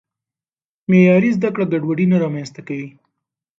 معیاري زده کړه ګډوډي نه رامنځته کوي.